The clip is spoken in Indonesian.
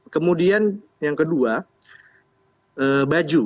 kemudian yang kedua baju